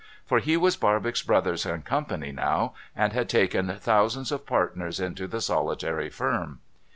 For he was Barbox Brothers and Co. now, and had taken thousands of partners into the solitary firm.